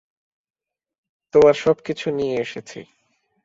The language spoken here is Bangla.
তোমার সবকিছু নিয়ে এসেছি।